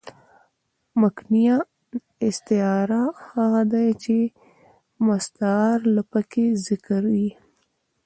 مکنیه استعاره هغه ده، چي مستعارله پکښي ذکر يي.